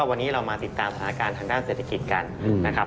ก็วันนี้เรามาติดตามสถานการณ์ทำด้านเศรษฐกิจกัน